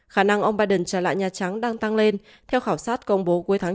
khả năng ông biden trở lại nhà trắng đang tăng lên theo khảo sát công bố cuối tháng